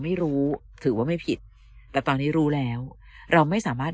ไม่รู้ถือว่าไม่ผิดแต่ตอนนี้รู้แล้วเราไม่สามารถ